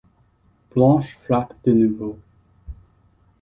Blanche frappe de nouveau.